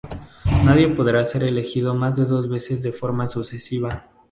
Nadie podrá ser elegido más de dos veces de forma sucesiva.